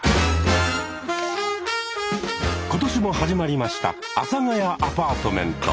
今年も始まりました「阿佐ヶ谷アパートメント」。